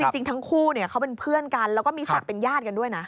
จริงทั้งคู่เขาเป็นเพื่อนกันแล้วก็มีศักดิ์เป็นญาติกันด้วยนะ